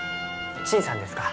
陳さんですか。